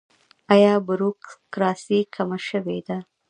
آیا بروکراسي کمه شوې ده؟